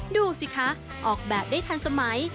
ดูสิคะออกแบบได้ทันสมัย